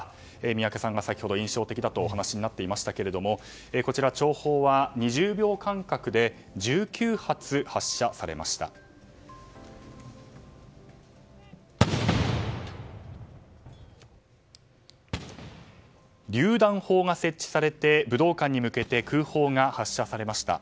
宮家さんが先ほど印象的だとお話になっていましたが弔砲は２０秒間隔で１９発発射されました。